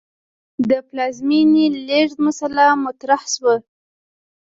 د پلازمې لېږد مسئله مطرح شوه.